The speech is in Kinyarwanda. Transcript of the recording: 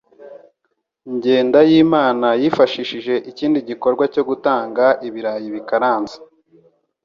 Jyendayimana yifashishije ikindi gikorwa cyo gutanga ibirayi bikaranze.